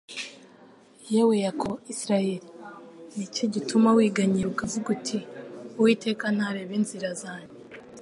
Yewe Yakobo Isiraeli ni iki gituma wiganyira ukavuga uti: Uwiteka ntareba inzira zanjye